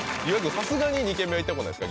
さすがに２軒目は行ったことないですか？